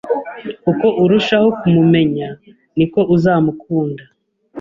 Uko urushaho kumumenya, niko uzamukunda.